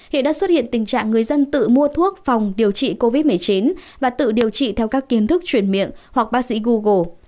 hiện đã xuất hiện tình trạng người dân tự mua thuốc phòng điều trị covid một mươi chín và tự điều trị theo các kiến thức chuyển miệng hoặc bác sĩ google